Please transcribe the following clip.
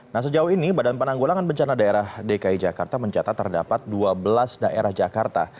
nah sejauh ini badan penanggulangan bencana daerah dki jakarta mencatat terdapat dua belas daerah jakarta